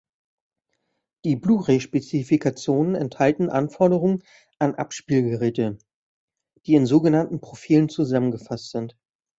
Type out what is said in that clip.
Die Blu-ray-Spezifikationen enthalten Anforderungen an Abspielgeräte, die in sogenannten Profilen zusammengefasst sind.